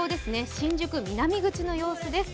新宿南口の様子です。